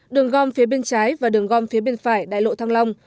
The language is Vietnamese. đường gom phía bên trái và đường gom phía bên phải đại lộ thăng long